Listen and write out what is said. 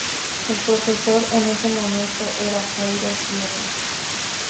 El profesor en ese momento era Jairo Sierra.